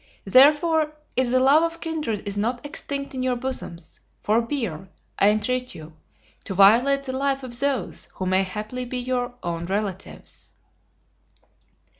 Therefore, if the love of kindred is not extinct in your bosoms, forbear, I entreat you, to violate the life of those who may haply be your own relatives."